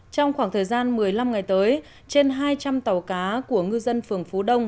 trong khoảng thời gian một mươi năm ngày tới trên hai trăm linh tàu cá của ngư dân phường phú đông